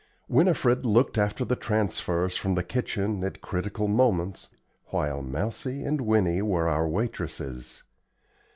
Winifred looked after the transfers from the kitchen at critical moments, while Mousie and Winnie were our waitresses.